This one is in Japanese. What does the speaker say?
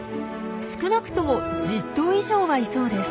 少なくとも１０頭以上はいそうです。